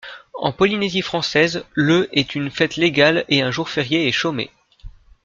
En Polynésie française, le est une fête légale et un jour férié et chômé.